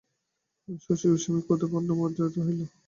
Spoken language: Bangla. শুনিয়া শশী বিস্ময়ে ক্রোধে বেদনায় বজ্রাহত হইল।